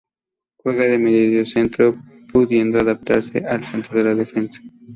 Juega de mediocentro, pudiendo adaptarse al centro de la defensa.